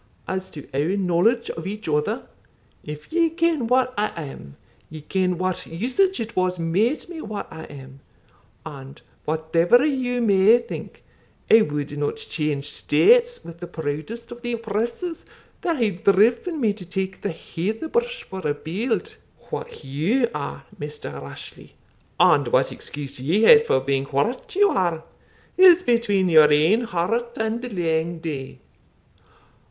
As to our knowledge of each other, if ye ken what I am, ye ken what usage it was made me what I am; and, whatever you may think, I would not change states with the proudest of the oppressors that hae driven me to tak the heather bush for a beild. What you are, Maister Rashleigh, and what excuse ye hae for being what you are, is between your ain heart and the lang day.